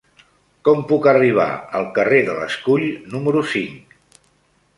Com puc arribar al carrer de l'Escull número cinc?